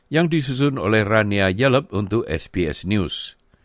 yang disusun oleh rania yeleb untuk sps news